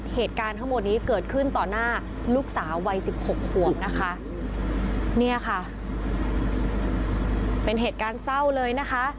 เหนี้่ค่ะเป็นเหตุการณ์เศร้าเลยนะคะ